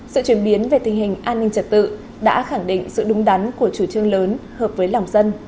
sự chuyển biến về tình hình an ninh trật tự đã khẳng định sự đúng đắn của chủ trương lớn hợp với lòng dân